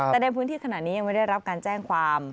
แต่ในพื้นที่ขณะนี้ยังไม่ได้รับการแจ้งความ